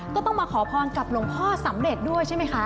ก็ต้องมาขอพรกับหลวงพ่อสำเร็จด้วยใช่ไหมคะ